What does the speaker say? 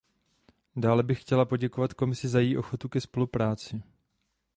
Dále bych chtěla poděkovat Komisi za její ochotu ke spolupráci.